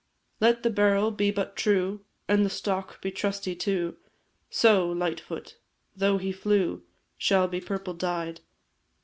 Let the barrel be but true, And the stock be trusty too, So, Lightfoot, though he flew, Shall be purple dyed.